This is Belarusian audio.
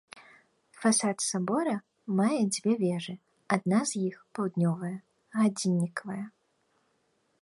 Фасад сабора мае дзве вежы, адна з іх, паўднёвая, гадзіннікавая.